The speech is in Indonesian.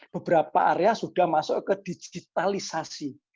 beberapa area sudah masuk ke digitalisasi